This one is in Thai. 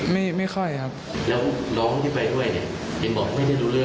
ไม่มีครับผม